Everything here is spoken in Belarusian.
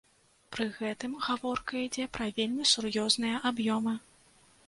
Пры гэтым гаворка ідзе пра вельмі сур'ёзныя аб'ёмы.